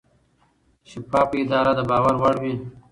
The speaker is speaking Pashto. شفافه اداره د باور وړ وي.